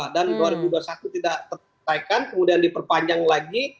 dan dua ribu dua puluh satu tidak terbaikkan kemudian diperpanjang lagi